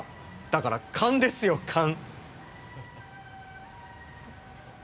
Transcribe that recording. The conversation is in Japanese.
だから勘ですよ勘！